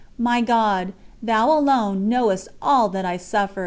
My God, Thou alone knowest all that I suffered!